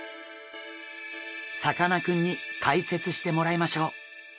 さかなクンに解説してもらいましょう！